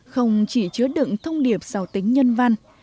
không chỉ chứa đựng thông điệp giàu tính nhân văn